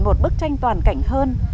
một bức tranh toàn cảnh hơn